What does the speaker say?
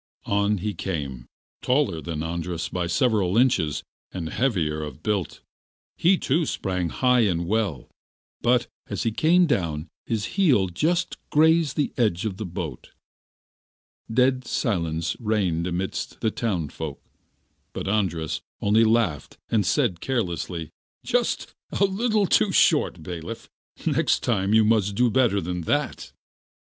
On he came, taller than Andras by several inches, but heavier of build. He too sprang high and well, but as he came down his heel just grazed the edge of the boat. Dead silence reigned amidst the townsfolk, but Andras only laughed and said carelessly: 'Just a little too short, bailiff; next time you must do better than that.